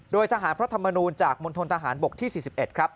โดยทหารพระธรรมนูลจากมณฑนทหารบกที่๔๑ครับ